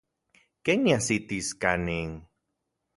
¿Ken niajsitis kanin?